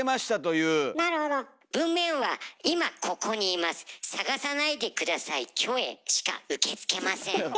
文面は「今ここにいます探さないでくださいキョエ」しか受け付けません。